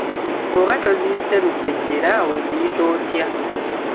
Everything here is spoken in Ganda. Bw'oba toziyize lusejjera oziyita otya?